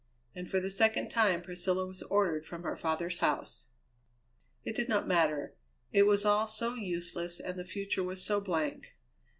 And for the second time Priscilla was ordered from her father's house. It did not matter. It was all so useless, and the future was so blank.